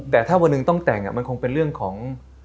แต่ถ้าวันหนึ่งต้องแต่งมันคงเป็นเรื่องของ